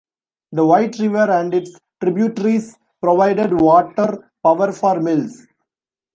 The White River and its tributaries provided water power for mills.